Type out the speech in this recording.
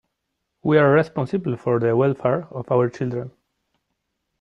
We are responsible for the welfare of our children.